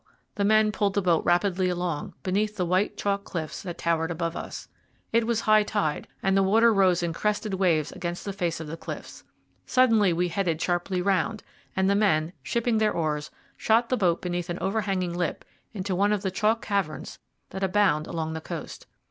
The men pulled the boat rapidly along, beneath the white chalk cliffs that towered above us. It was high tide, and the water rose in crested waves against the face of the cliffs. Suddenly we headed sharply round, and the men, shipping their oars, shot the boat beneath an overhanging lip into one of the chalk caverns that abound along the coast.